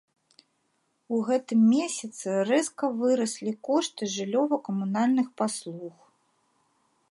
У гэтым месяцы рэзка выраслі кошты жыллёва-камунальных паслуг.